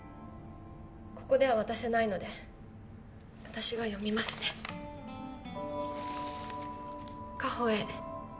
ここでは渡せないので私が読みますね「果歩へ」